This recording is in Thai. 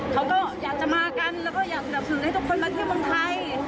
เค้าก็อยากจะมากันเราก็อยากธรรมศึกได้ทุกคนมาเที่ยวเมืองไทย